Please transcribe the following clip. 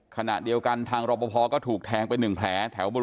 ขณะเดียวกันทางรบพพก็ถูกแทงไป๑แผล